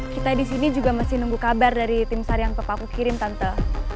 kita disini juga masih nunggu kabar dari tim sar yang papa aku kirim tante